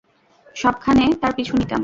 সবখানে তার পিছু নিতাম।